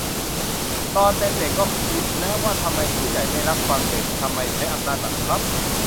ตอนเป็นเด็กก็คิดนะ ว่าทำไมผู้ใหญ่ไม่รับฟังเด็ก ทำไมใช้อำนาจบังคับ